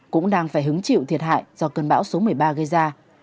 cũng đang phải hứng chịu thiệt hại do cơn bão số một mươi ba gây ra